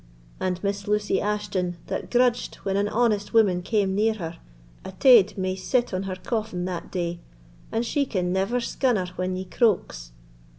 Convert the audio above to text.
And Miss Lucy Ashton, that grudged when an honest woman came near her—a taid may sit on her coffin that day, and she can never scunner when he croaks.